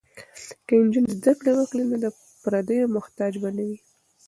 که نجونې زده کړې وکړي نو د پردیو محتاج به نه وي.